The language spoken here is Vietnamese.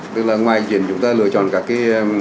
tức là ngoài chuyện chúng ta lựa chọn các cái